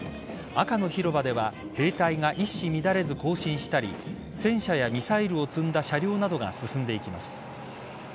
赤の広場では兵隊が一糸乱れず行進したり戦車やミサイルを積んだ車両などが進んでいきます。